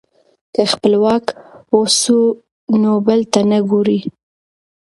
که خپلواک اوسو نو بل ته نه ګورو.